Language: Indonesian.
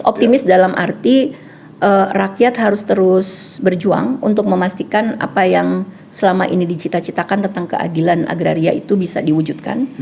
optimis dalam arti rakyat harus terus berjuang untuk memastikan apa yang selama ini dicita citakan tentang keadilan agraria itu bisa diwujudkan